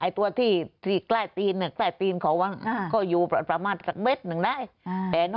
แต่โปร่งแล้วเขาใส่เสื้อสีอ่อน